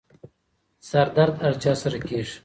سردرد هر چا سره کېږي.